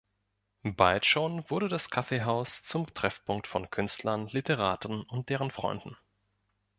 Bald schon wurde das Kaffeehaus zum Treffpunkt von Künstlern, Literaten und deren Freunden.